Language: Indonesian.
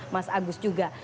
mas agus juga